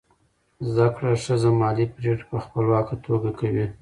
زده کړه ښځه مالي پریکړې په خپلواکه توګه کوي.